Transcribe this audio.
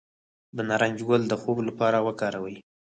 د نارنج ګل د خوب لپاره وکاروئ